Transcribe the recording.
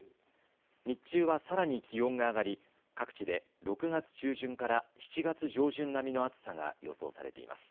日中はさらに気温が上がり各地で６月中旬から７月上旬並みの暑さが予想されています。